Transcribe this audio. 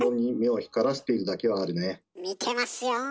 見てますよ。